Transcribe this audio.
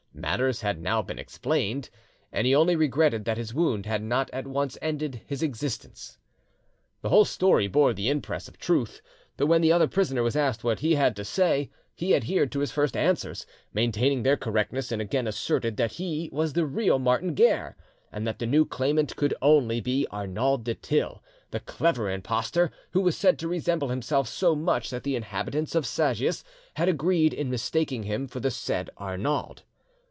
Matters had now been explained, and he only regretted that his wound had not at once ended his existence. The whole story bore the impress of truth, but when the other prisoner was asked what he had to say he adhered to his first answers, maintaining their correctness, and again asserted that he was the real Martin Guerre, and that the new claimant could only be Arnauld du Thill, the clever impostor, who was said to resemble himself so much that the inhabitants of Sagias had agreed in mistaking him for the said Arnauld.